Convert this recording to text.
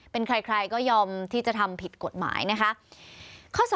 เป็นใครก็ยอมที่จะทำผิดกฎหมายนะคะ